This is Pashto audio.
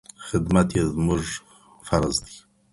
خدمت یې زموږ فرض دی.